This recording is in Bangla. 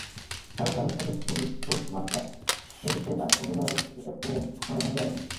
শাহরুখ খানের স্বদেশ ছবির পোস্টমাস্টার চরিত্রে তাঁর অভিনয়ও মনে থাকবে অনেকের।